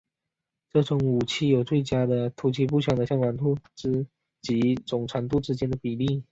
这种武器有最佳的突击步枪的枪管长度及总长度之间的比例。